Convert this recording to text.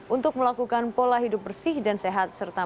untuk melakukan pola hidup bersih dan sehat